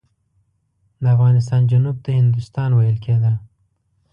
د افغانستان جنوب ته هندوستان ویل کېده.